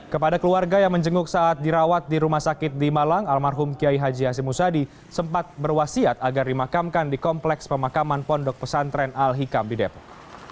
kepada keluarga yang menjenguk saat dirawat di rumah sakit di malang almarhum kiai haji hashim musadi sempat berwasiat agar dimakamkan di kompleks pemakaman pondok pesantren al hikam di depok